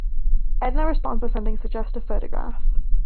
Edna responds by sending a suggestive photograph.